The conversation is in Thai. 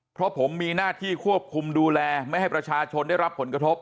เพราะผมมีหน้าที่ควบคุมดูแลไม่ให้ประชาชนได้รับผลกระทบ